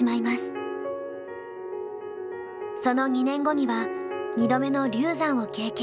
その２年後には２度目の流産を経験。